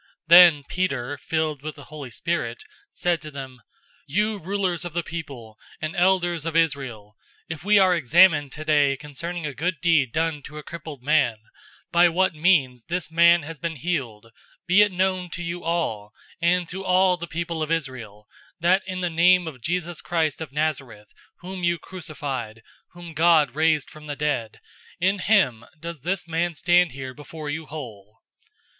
004:008 Then Peter, filled with the Holy Spirit, said to them, "You rulers of the people, and elders of Israel, 004:009 if we are examined today concerning a good deed done to a crippled man, by what means this man has been healed, 004:010 be it known to you all, and to all the people of Israel, that in the name of Jesus Christ of Nazareth, whom you crucified, whom God raised from the dead, in him does this man stand here before you whole.